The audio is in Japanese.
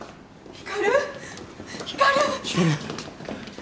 光！